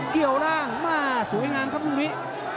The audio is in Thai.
เกี่ยวล่ามาสวยงามครับมรุงพี่